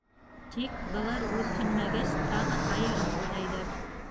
Тик былар үҙһенмәгәс, тағы айырым уйнайҙар.